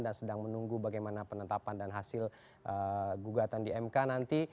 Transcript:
dan sedang menunggu bagaimana penetapan dan hasil gugatan di mk nanti